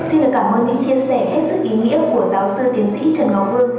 xin được cảm ơn những chia sẻ hết sức ý nghĩa của giáo sư tiến sĩ trần ngọc vương